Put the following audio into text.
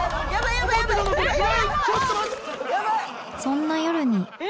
そんな夜に